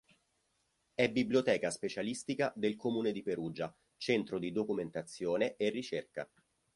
È biblioteca specialistica del Comune di Perugia, centro di documentazione e ricerca.